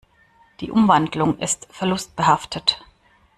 Die Umwandlung ist verlustbehaftet.